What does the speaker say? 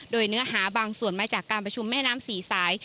โดยเนื้อหาบางส่วนมาจากการประชุมแม่น้ำสี่สาย